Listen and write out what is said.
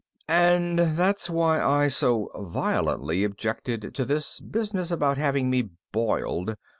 "And that's why I so violently objected to this business about having me boiled.